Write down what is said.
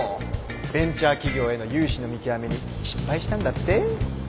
ベンチャー企業への融資の見極めに失敗したんだって？